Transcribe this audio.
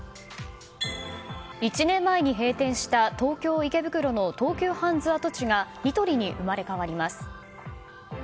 １年前に閉店した東京・池袋の東急ハンズ跡地がニトリに生まれ変わります。